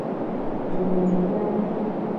Dumevi awo.